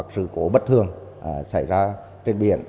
sự cố bất thường xảy ra trên biển